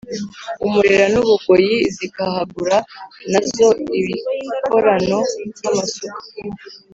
u Murera n u Bugoyi zikahagura na zo ibikorano nk amasuka